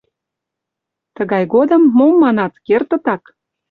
Тыгай годым, мом манат, кертытак.